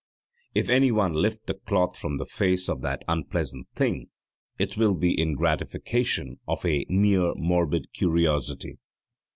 If anyone lift the cloth from the face of that unpleasant thing it will be in gratification of a mere morbid curiosity.